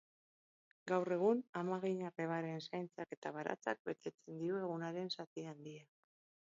Gaur egun amaginarrebaren zaintzak eta baratzeak betetzen dio egunaren zati handia.